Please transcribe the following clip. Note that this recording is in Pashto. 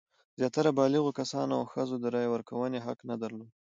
زیاتره بالغو کسانو او ښځو د رایې ورکونې حق نه درلود.